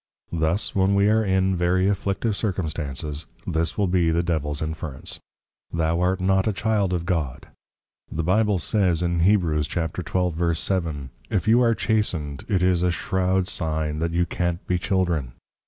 _ Thus, when we are in very Afflictive Circumstances, this will be the Devils Inference, Thou art not a Child of God. The Bible says in Heb. 12.7. _If you are Chastened, it is a shrow'd sign that you can't be Children.